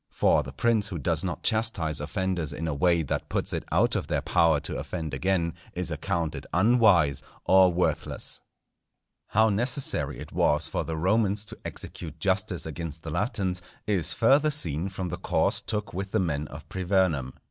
For the prince who does not chastise offenders in a way that puts it out of their power to offend again, is accounted unwise or worthless. How necessary it was for the Romans to execute Justice against the Latins, is further seen from the course took with the men of Privernum.